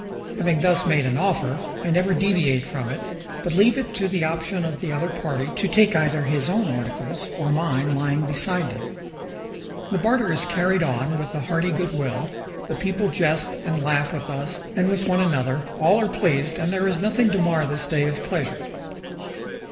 Having thus made an offer, I never deviate from it, but leave it to the option of the other party to take either his own articles or mine lying beside them. The barter is carried on with a hearty good will; the people jest and laugh with us and with one another; all are pleased, and there is nothing to mar this day of pleasure.